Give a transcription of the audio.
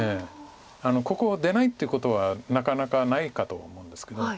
ここを出ないってことはなかなかないかと思うんですけど。